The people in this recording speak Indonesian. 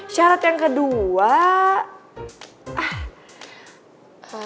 syarat yang kedua